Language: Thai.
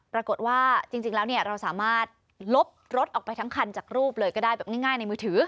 ปรากฏว่าจริงแล้วเราสามารถลบรถออกไปทั้งคันจากรูปเลยก็ได้แบบง่ายในมือถือ